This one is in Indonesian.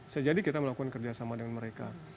sejadi kita melakukan kerjasama dengan mereka